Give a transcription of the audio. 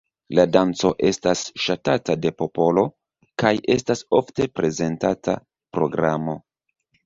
La danco estas ŝatata de popolo, kaj estas ofte prezentata programo.